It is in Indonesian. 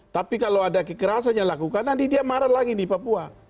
tapi kalau ada kekerasan yang lakukan nanti dia marah lagi di papua